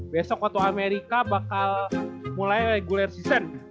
besok waktu amerika bakal mulai regular season